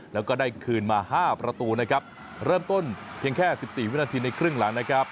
แล้วก็ได้คืนมาห้าประตูนะครับเริ่มต้นเพียงแค่สิบสี่วินาทีในครึ่งหลังนะครับ